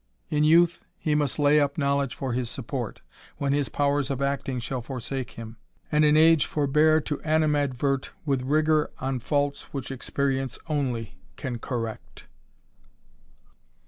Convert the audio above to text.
In youth, he must lay up knowledge for his support, when his powers of acting shall forsake him ; and in age forbear to animadvert with rigour on faults which experience only can correct.